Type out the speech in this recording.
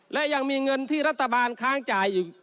และยังมีเงินที่รัฐบาลค้างจ่ายอยู่